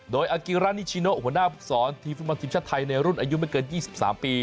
โดยอากิรานิชิโนหัวหน้าภึกศรทีมฟุตบอลทีมชาติไทยในรุ่นอายุไม่เกิน๒๓ปี